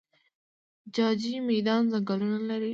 جاجي میدان ځنګلونه لري؟